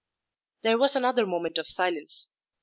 There was another moment of silence.